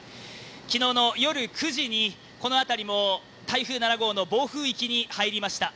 昨日の夜９時にこの辺りも台風７号の暴風域に入りました。